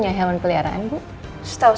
oh itu tidak berguna